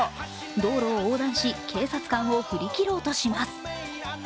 道路を横断し、警察官を振り切ろうとします。